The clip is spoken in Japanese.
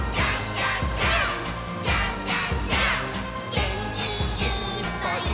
「げんきいっぱいもっと」